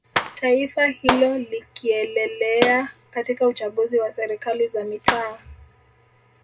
Taifa hilo likieleleea katika uchaguzi wa serikali za mitaaa